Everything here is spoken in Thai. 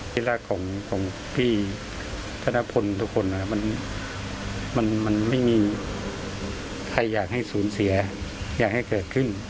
ที่รักของพี่ธนพลทุกคนมันไม่มีใครอยากให้สูญเสียอยากให้เกิดขึ้น